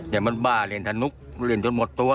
นี่มันบ้าเรียนทานุกเรียนจนหมดตัว